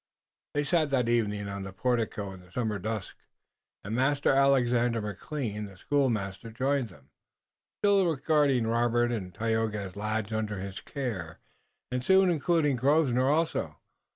They sat that evening on the portico in the summer dusk, and Master Alexander McLean, the schoolmaster, joined them, still regarding Robert and Tayoga as lads under his care, and soon including Grosvenor also.